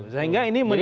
sehingga ini menjadi